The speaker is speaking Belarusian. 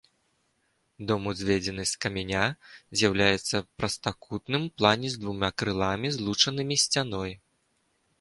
Дом узведзены з каменя, з'яўляецца прастакутным ў плане з двума крыламі, злучанымі сцяной.